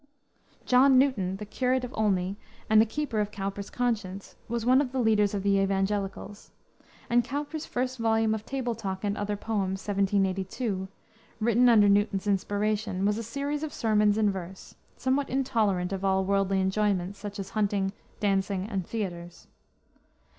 John Newton, the curate of Olney and the keeper of Cowper's conscience, was one of the leaders of the Evangelicals; and Cowper's first volume of Table Talk and other poems, 1782, written under Newton's inspiration, was a series of sermons in verse, somewhat intolerant of all worldly enjoyments, such as hunting, dancing, and theaters.